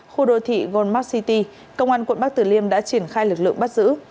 khu đô thị goldmark city công an quận bắc tử liêm đã triển khai lực lượng bắt giữ